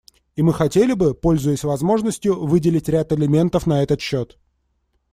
И мы хотели бы, пользуясь возможностью, выделить ряд элементов на этот счет.